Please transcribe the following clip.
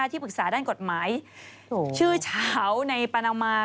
ที่ปรึกษาด้านกฎหมายชื่อเฉาในปานามา